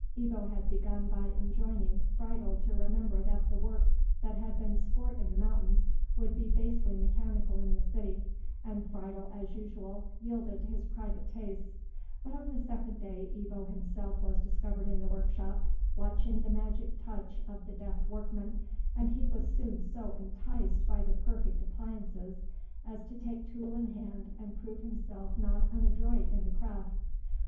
Ebbo had begun by enjoining Friedel to remember that the work that had been sport in the mountains would be basely mechanical in the city, and Friedel as usual yielded his private tastes; but on the second day Ebbo himself was discovered in the workshop, watching the magic touch of the deft workman, and he was soon so enticed by the perfect appliances as to take tool in hand and prove himself not unadroit in the craft.